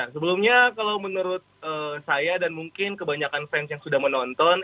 sebelumnya kalau menurut saya dan mungkin kebanyakan fans yang sudah menonton